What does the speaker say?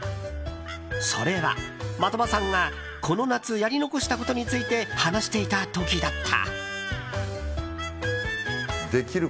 それは、的場さんがこの夏やり残したことについて話していた時だった。